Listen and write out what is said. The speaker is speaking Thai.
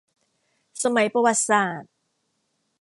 สมัยประวัติศาสตร์